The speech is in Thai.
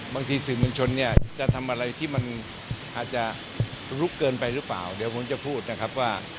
สื่อมวลชนเนี่ยจะทำอะไรที่มันอาจจะลุกเกินไปหรือเปล่าเดี๋ยวผมจะพูดนะครับว่า